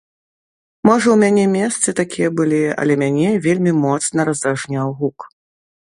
Можа ў мяне месцы такія былі, але мяне вельмі моцна раздражняў гук.